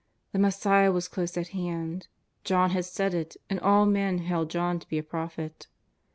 The Mes siah was close at hand. John had said it, and all men held John to be a prophet.